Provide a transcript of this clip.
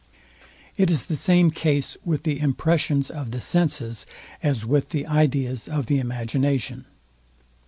It is the same case with the impressions of the senses as with the ideas of the imagination.